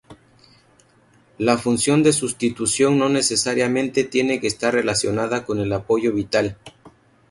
La función de sustitución no necesariamente tiene que estar relacionada con el apoyo vital.